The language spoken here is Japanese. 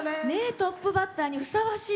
トップバッターにふさわしい。